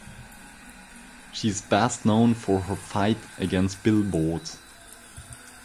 She is best known for her fight against billboards.